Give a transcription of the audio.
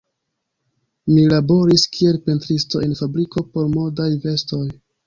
Mi laboris kiel pentristo en fabriko por modaj vestoj.